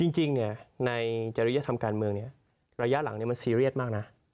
จริงในจริยธรรมการเมืองระยะหลังมันซีเรียสมากนะ